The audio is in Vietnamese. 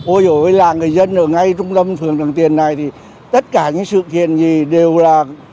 ôi ôi là người dân ở ngay trung tâm phường trần tiền này thì tất cả những sự kiện gì đều là